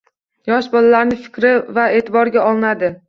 Yosh bolalarni fikri ham eʼtiborga olinadi.